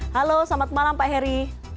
halo selamat malam pak heri